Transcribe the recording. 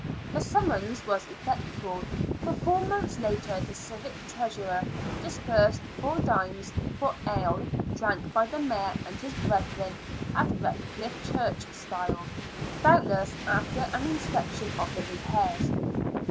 The summons was effectual, for four months later the civic treasurer dis bursed 4d. for ale drank by the Mayor and his brethren at Redchff Church style, doubtless after an inspection of the repairs.